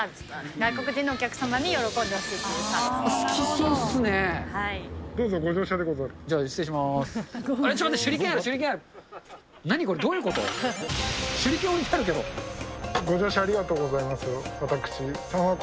外国人のお客様に喜んでほしいというサービスです。